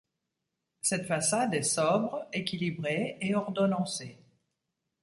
Cette façade est sobre, équilibrée et ordonnancée.